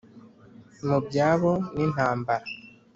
Mu byabo n intambara